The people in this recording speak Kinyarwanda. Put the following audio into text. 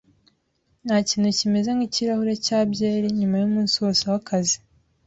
Ntakintu kimeze nkikirahure cya byeri nyuma yumunsi wose wakazi.